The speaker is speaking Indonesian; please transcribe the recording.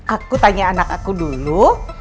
aku tanya anak aku dulu